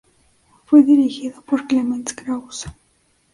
Fue dirigido por Clemens Krauss.